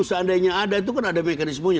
seandainya ada itu kan ada mekanismenya